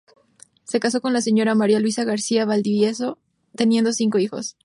Se casó con la señora María Luisa García Valdivieso, teniendo cinco hijos.